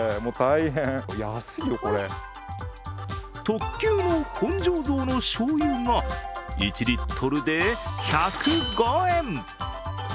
特級の本醸造のしょうゆが１リットルで１０５円。